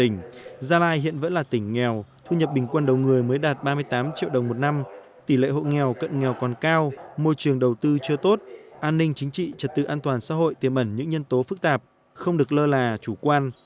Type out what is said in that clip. tỉnh gia lai hiện vẫn là tỉnh nghèo thu nhập bình quân đầu người mới đạt ba mươi tám triệu đồng một năm tỷ lệ hộ nghèo cận nghèo còn cao môi trường đầu tư chưa tốt an ninh chính trị trật tự an toàn xã hội tiềm ẩn những nhân tố phức tạp không được lơ là chủ quan